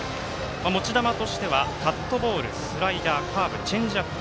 持ち球としてはカットボールスライダー、カーブチェンジアップ。